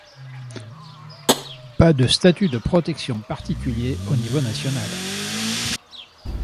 Pas de statut de protection particulier au niveau national.